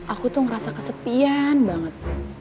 aku tuh ngerasa kesepian banget